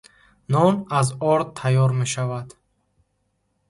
Нон аз орд тайёр мешавад.